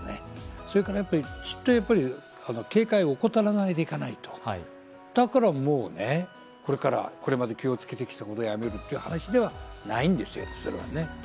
それから、ずっと警戒を怠らないで行かないとこれまで気をつけてきたことをやめるって話ではないんですよ、それはね。